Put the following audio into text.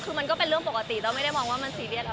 คือมันก็เป็นเรื่องปกติแล้วไม่ได้มองว่ามันซีเรียสแล้ว